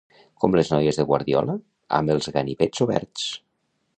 Com les noies de Guardiola, amb els ganivets oberts.